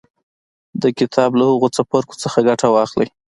د کتاب له هغو څپرکو څخه ګټه واخلئ